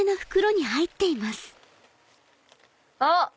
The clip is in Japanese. あっ！